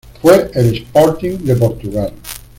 Fue el Sporting de Portugal.